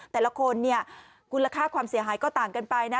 แต่ละคนเนี่ยมูลค่าความเสียหายก็ต่างกันไปนะ